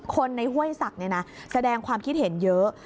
คนในห้วยศักดิ์แสดงความคิดเห็นเยอะ